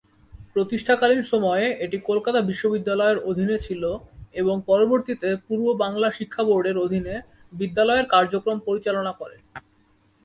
প্রতিষ্ঠাকালীন সময়ে এটি কলকাতা বিশ্ববিদ্যালয়ের অধীনে ছিল এবং পরবর্তীতে পূর্ব বাংলা শিক্ষা বোর্ডের অধীনে বিদ্যালয়ের কার্যক্রম পরিচালনা করে।